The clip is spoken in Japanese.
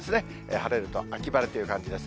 晴れると秋晴れという感じです。